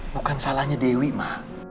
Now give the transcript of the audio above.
bukan salahnya dewi ma